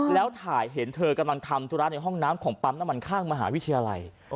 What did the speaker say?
แล้วถ่ายเห็นเธอกำลังทำธุระในห้องน้ำของปั๊มน้ำมันข้างมหาวิทยาลัย